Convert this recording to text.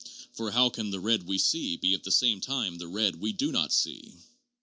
For how can the red we see be at the same time the red we do not see?"